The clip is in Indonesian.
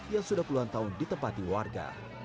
yang sudah puluhan tahun ditempati warga